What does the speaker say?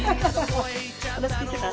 話聞いてた？